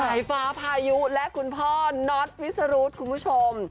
สายฟ้าพายุและคุณพ่อน็อตวิสรุธคุณผู้ชม